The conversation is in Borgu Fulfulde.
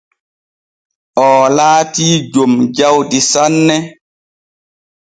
Oo laatii jom jawdi sanne.